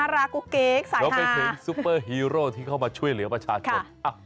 แล้วไปถึงซุปเปอร์ฮีโร่ที่เข้ามาช่วยเหลือประชาชน